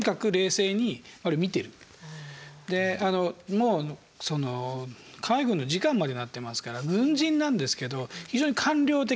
もうその海軍の次官にまでなってますから軍人なんですけど非常に官僚的な動きをしてる。